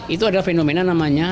itu adalah fenomena namanya